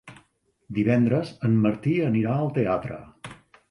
Divendres en Martí anirà al teatre.